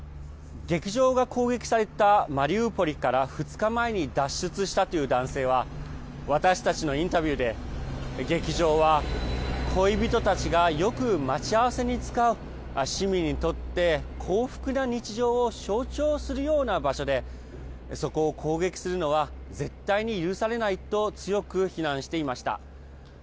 劇場が攻撃されたマリウポリから２日前に脱出したという男性は、私たちのインタビューで、劇場は恋人たちがよく待ち合わせに使う、市民にとって幸福な日常を象徴するような場所で、そこを攻撃するのは、絶対に許されないと、強く非難していました。